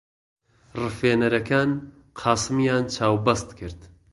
ڕفێنەرەکان قاسمیان چاوبەست کرد.